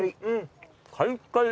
カリカリ。